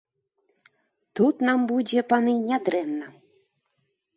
Тут нам будзе, паны, нядрэнна.